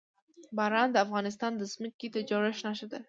باران د افغانستان د ځمکې د جوړښت نښه ده.